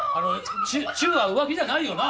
チューは浮気じゃないよな？